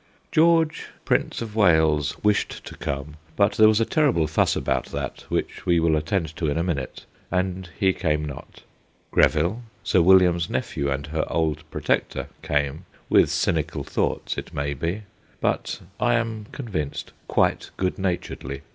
George, Prince of Wales, wished to come, but there was a terrible fuss about that, which we will attend to in a minute, and he came not. Greville, Sir William's nephew and her old ' protector/ came, with cynical thoughts, it may be, but (I am con vinced) quite good naturedly.